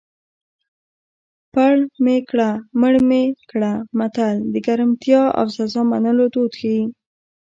پړ مې کړه مړ مې کړه متل د ګرمتیا او سزا منلو دود ښيي